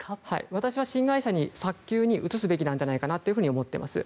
私は新会社に早急に移すべきなんじゃないかと思っています。